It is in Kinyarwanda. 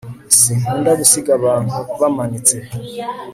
sinkunda gusiga abantu bamanitse